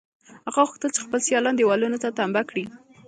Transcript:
هغه غوښتل چې خپل سیالان دېوالونو ته تمبه کړي